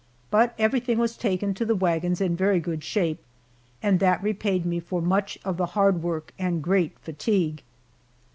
But everything was taken to the wagons in very good shape, and that repaid me for much of the hard work and great fatigue.